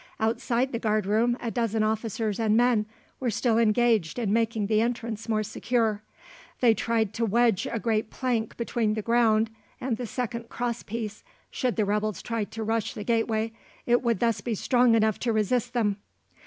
Outside the guard room a dozen officers and men were still engaged in making the entrance more secure. They tried to wedge a great plank between the ground and the second cross piece; should the rebels try to rush the gate way, it would thus be strong enough to resist them.